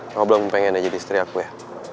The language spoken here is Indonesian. kamu belum pengennya jadi istri aku ya